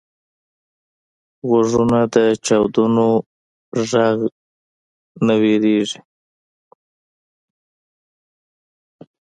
غوږونه د چاودنو غږ نه وېریږي